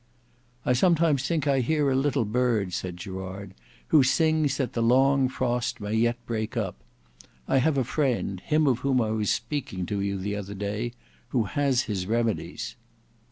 "I sometimes think I hear a little bird," said Gerard, "who sings that the long frost may yet break up. I have a friend, him of whom I was speaking to you the other day, who has his remedies."